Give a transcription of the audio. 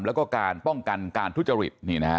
แล้วก็การป้องกันการทุจริต